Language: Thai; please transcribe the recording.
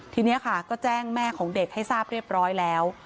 ทีนี้ค่ะก็แจ้งแม่ของเด็กให้ทราบเรียบร้อยแล้ว